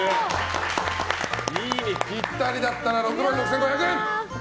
ぴったりだったら６万６５００円！